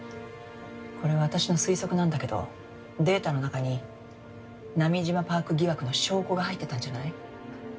これは私の推測なんだけどデータの中に波島パーク疑惑の証拠が入ってたんじゃない？